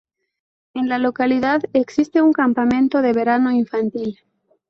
En la localidad existe un campamento de veraneo infantil.